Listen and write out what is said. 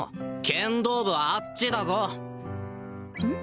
剣道部はあっちだぞうん？